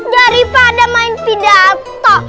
daripada main pidato